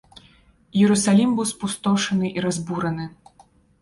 Іерусалім быў спустошаны і разбураны.